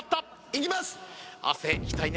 いきます